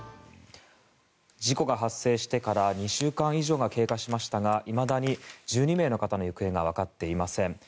事故が発生してから２週間以上が経過しましたがいまだに１２名の方の行方がわかっていません。